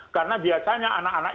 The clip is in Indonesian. karena biasanya anak anak